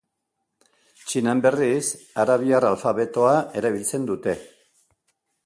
Txinan, berriz, arabiar alfabeto erabiltzen dute.